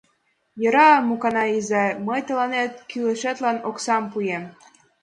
Йӧра, Муканай изай, мый тыланет кӱлешетлан оксам пуэм.